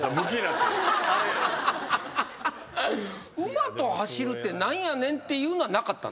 馬と走るって何やねんっていうのはなかったんですか？